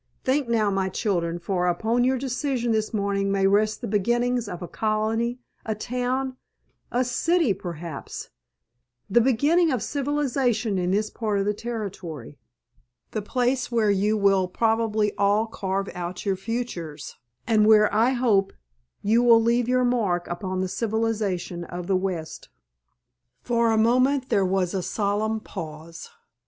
Think now, my children, for upon your decision this morning may rest the beginnings of a colony—a town—a city—perhaps, the beginning of civilization in this part of the Territory. The place where you will probably all carve out your futures, and where, I hope, you will leave your mark upon the civilization of the West." For a moment there was a solemn pause.